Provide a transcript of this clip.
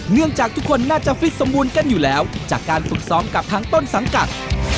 เนื่องจากทุกคนน่าจะฟิตสมบูรณ์กันอยู่แล้วจากการฝึกซ้อมกับทางต้นสังกัด